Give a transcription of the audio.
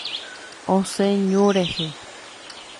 Osẽ ñu rehe.